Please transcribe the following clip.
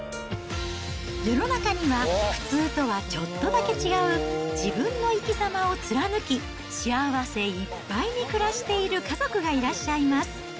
世の中には普通とはちょっとだけ違う自分の生きざまを貫き、幸せいっぱいに暮らしている家族がいらっしゃいます。